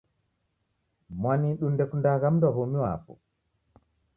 Mwanidu ndekundagha mdu wa w'omi wapo